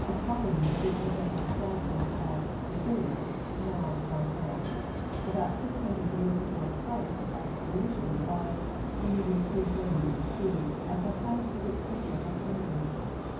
A colony which had been established at Massilia — now Marseilles — about six hundred years before Christ by the Phocians was, in the year 340 B.C., at the height of its commercial prosperity.